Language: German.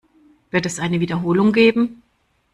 Wird es eine Wiederholung geben?